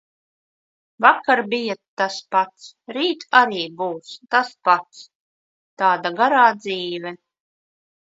Vakar bija tas pats, rīt arī būs tas pats. tāda garā dzīve.